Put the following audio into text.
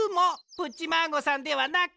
プッチマーゴさんではなく！